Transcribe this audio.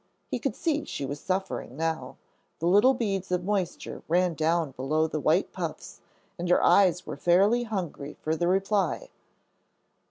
He could see she was suffering now. The little beads of moisture ran down below the white puffs, and her eyes were fairly hungry for the reply.